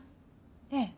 ええ。